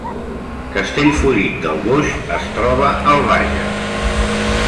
Castellfollit del Boix es troba al Bages